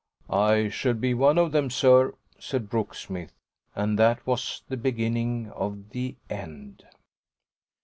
"I shall be one of them, sir!" said Brooksmith; and that was the beginning of the end.